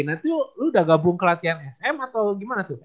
nah itu lu udah gabung ke latihan sm atau gimana tuh